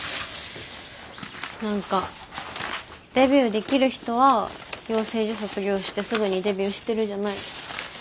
何かデビューできる人は養成所卒業してすぐにデビューしてるじゃない？